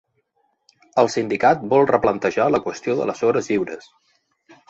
El sindicat vol replantejar la qüestió de les hores lliures.